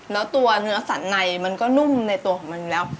แล้วตัวเนื้อสันในมันก็นุ่มในตัวของมันอยู่แล้ว